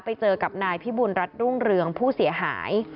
ไปเจอกับนายพิบุญรัฐรุ่งเรืองผู้เสียหาย